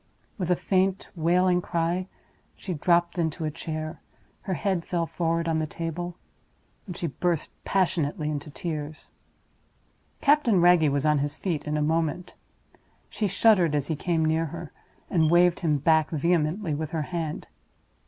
With a faint, wailing cry, she dropped into a chair; her head fell forward on the table, and she burst passionately into tears. Captain Wragge was on his feet in a moment. She shuddered as he came near her, and waved him back vehemently with her hand.